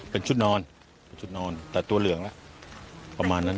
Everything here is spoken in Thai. เป็นชุดนอนเป็นชุดนอนแต่ตัวเหลืองละประมาณนั้น